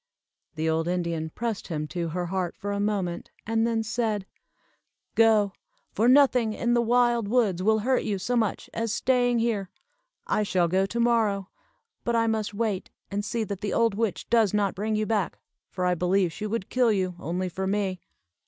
The old Indian pressed him to her heart for a moment, and then said, "Go! for nothing in the wild woods will hurt you so much as staying here. I shall go to morrow, but I must wait and see that the old witch does not bring you back, for I believe she would kill you, only for me."